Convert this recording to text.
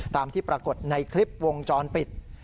ตามที่ปรากฏในคลิปวงจรปิด